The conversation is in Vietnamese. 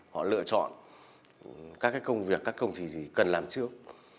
họ lựa chọn các công việc các công trình gì cần làm trước